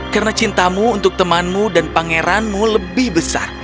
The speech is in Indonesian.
karena cintamu untuk temanmu dan pangeranmu lebih besar